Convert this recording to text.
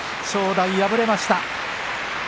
正代、敗れました。